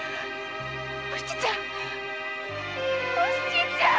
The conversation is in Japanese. お七ちゃん！